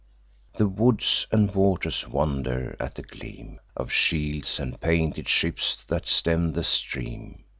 The woods and waters wonder at the gleam Of shields, and painted ships that stem the stream.